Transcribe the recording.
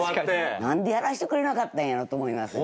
なんでやらしてくれなかったんやろうと思いますね。